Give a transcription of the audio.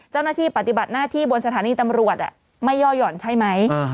เจ้าหน้าที่ปฏิบัติหน้าที่บนสถานีตำรวจไม่ย่อหย่อนใช่ไหม